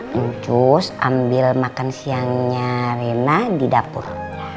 lalu ambil makan siangnya rena di dapurnya